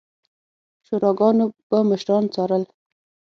شوراګانو به مشران څارل